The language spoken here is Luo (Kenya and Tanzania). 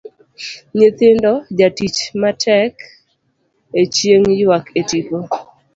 Nyithindo, jatich matek e chieng' ywak e tipo.